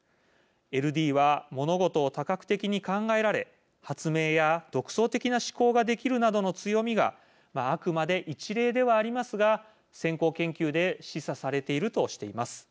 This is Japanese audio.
ＬＤは、物事を多角的に考えられ発明や独創的な思考ができるなどの強みがあくまで一例ではありますが先行研究で示唆されているとしています。